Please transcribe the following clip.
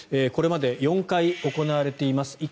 これまで４回行われています。